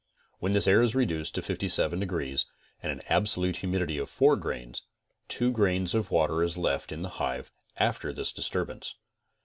When this air is reduced to 57 degrees and an absolute humidity of 4 grains, two grains of water is left in the hive after this disturbance.